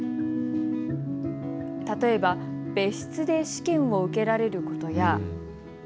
例えば別室で試験を受けられることや。